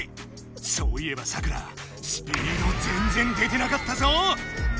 そういえばサクラスピードぜんぜん出てなかったぞ。